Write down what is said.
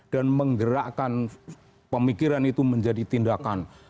dan menggerakkan pemikiran itu menjadi tindakan